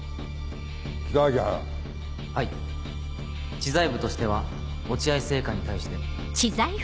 知財部としては落合製菓に対して。